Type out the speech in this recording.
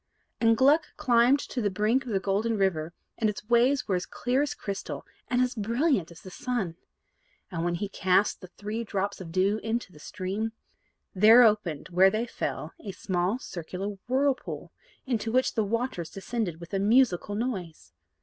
And Gluck climbed to the brink of the Golden River, and its waves were as clear as crystal, and as brilliant as the sun. And, when he cast the three drops of dew into the stream, there opened where they fell a small circular whirlpool, into which the waters descended with a musical noise.